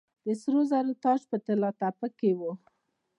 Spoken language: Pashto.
د سرو زرو تاج په طلا تپه کې و